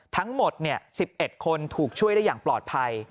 ทั้งหมด๑๑คนถูกช่วยได้อย่างปลอดภัย